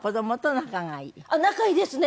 仲いいですね。